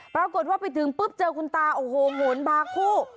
ปรากฏว่าไปถึงปุ๊บเจอคุณตาโอ้โหโหนบางคู่